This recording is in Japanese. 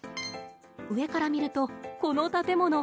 上から見るとこの建物。